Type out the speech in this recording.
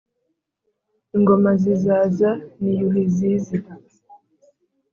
Ingoma zizaza ni Yuhi zizi